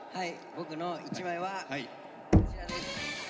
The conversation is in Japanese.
僕の一枚はこちらです。